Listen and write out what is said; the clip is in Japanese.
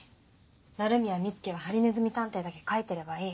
鳴宮美月は『ハリネズミ探偵』だけ描いてればいい。